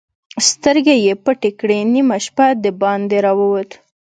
سترګې يې پټې کړې، نيمه شپه د باندې را ووت.